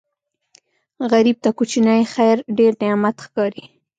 غریب ته کوچنی خیر ډېر نعمت ښکاري